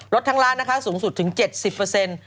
รถทางร้านนะคะสูงสุดถึงเจ็ดสิบเปอร์เซ็นต์